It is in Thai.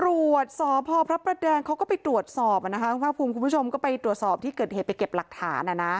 ตำรวจสพพระประแดงเขาก็ไปตรวจสอบคุณภาคภูมิคุณผู้ชมก็ไปตรวจสอบที่เกิดเหตุไปเก็บหลักฐาน